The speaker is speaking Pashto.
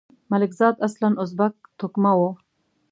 ملکزاد اصلاً ازبک توکمه وو.